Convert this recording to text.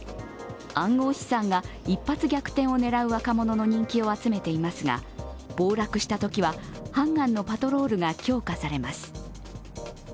暗号資産が一発逆転を狙う若者の人気を集めていますが暴落したときはハンガンのパトロールが強化されます。